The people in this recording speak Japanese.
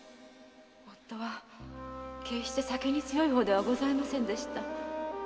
夫は決して酒に強い方ではございませんでした〕